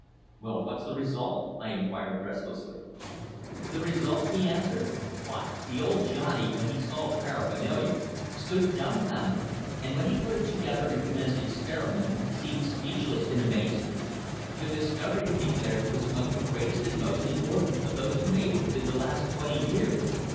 "Well, what's the result?" I inquired breathlessly. "The result?" he answered. "Why, the old Johnnie, when he saw the paraphernalia, stood dumbfounded, and when he put it together and commenced experimenting seemed speechless in amazement. The discovery, he declared, was among the greatest and most important of those made within the last twenty years.